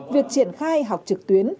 việc triển khai học trực tuyến